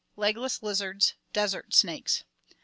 Legless lizards. Desert snakes.